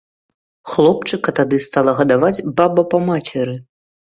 Хлопчыка тады стала гадаваць баба па мацеры.